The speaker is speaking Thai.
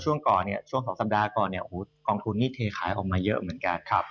ใช่ไปเตาย่อยนะครับเพราะช่วงค่องตสัปดาห์ก่อนของทุนนี่เทขายออกมาเยอะเหมือนกัน